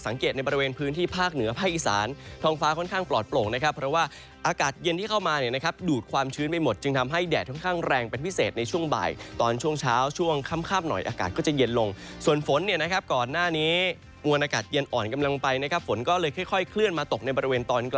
ในบริเวณพื้นที่ภาคเหนือภาคอีสานท้องฟ้าค่อนข้างปลอดโปร่งนะครับเพราะว่าอากาศเย็นที่เข้ามาเนี่ยนะครับดูดความชื้นไปหมดจึงทำให้แดดค่อนข้างแรงเป็นพิเศษในช่วงบ่ายตอนช่วงเช้าช่วงค่ำหน่อยอากาศก็จะเย็นลงส่วนฝนเนี่ยนะครับก่อนหน้านี้มวลอากาศเย็นอ่อนกำลังไปนะครับฝนก็เลยค่อยเคลื่อนมาตกในบริเวณตอนก